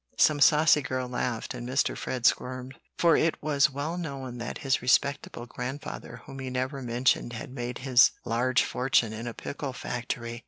Some saucy girl laughed, and Mr. Fred squirmed, for it was well known that his respectable grandfather whom he never mentioned had made his large fortune in a pickle factory.